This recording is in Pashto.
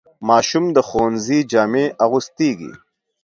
ماشوم د ښوونځي جامې اغوستېږي.